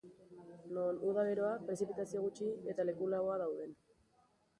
Non uda beroa, prezipitazio gutxi, eta leku laua dauden.